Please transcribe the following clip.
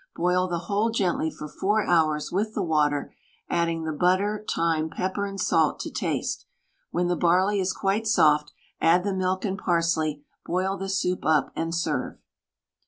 Boil the whole gently for 4 hours with the water, adding the butter, thyme, pepper and salt to taste. When the barley is quite soft, add the milk and parsley, boil the soup up, and serve.